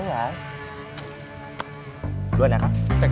luar ya kak